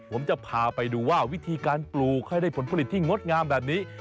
ผมจะพาไปดูว่าวิธีการปลูกให้ได้ผลผลิตที่งดงามแบบนี้